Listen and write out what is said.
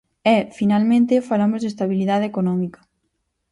E, finalmente, falamos de estabilidade económica.